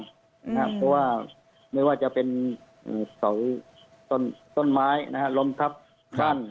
เพราะว่าไม่ว่าจะเป็นเสาต้นไม้ล้มทับบ้าน